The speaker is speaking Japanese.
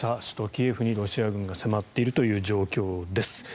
首都キエフにロシア軍が迫っているという状況です。